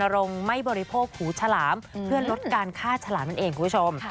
โรงไม่บริโภคหูฉลามเพื่อลดการฆ่าฉลามนั่นเองคุณผู้ชม